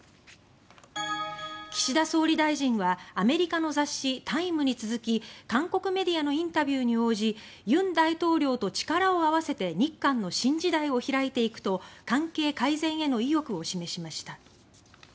岸田総理大臣はアメリカの雑誌「タイム」に続き韓国メディアのインタビューに応じ「尹大統領と力を合わせて日韓の新時代を開いていく」と関係改善への意欲を示しました。